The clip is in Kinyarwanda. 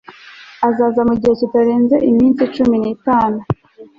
azaza mu gihe kitarenze iminsi cumi n;itanu